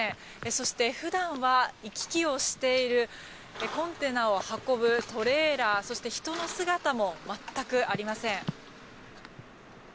そして普段は行き来をしているコンテナを運ぶトレーラーそして人の姿も全くありません。